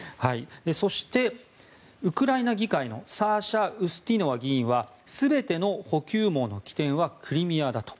そして、ウクライナ議会のサーシャ・ウスティノワ議員は全ての補給網の起点はクリミアだと。